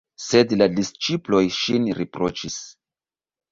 Sed la disĉiploj ŝin riproĉis.